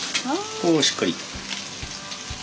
おしっかり。